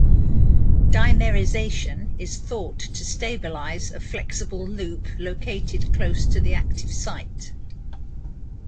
Dimerization is thought to stabilize a "flexible loop" located close to the active site.